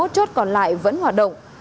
hai mươi một chốt còn lại vẫn hoạt động